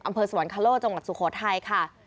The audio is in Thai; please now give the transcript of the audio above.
อำเภอสวรรค์คาโล่จังหวัดสุโขทัยค่ะ